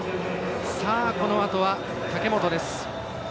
このあとは武本です。